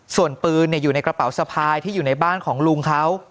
ส่วนปืนอยู่ในกระเป๋าสะพายที่อยู่ในบ้านของลุงเขา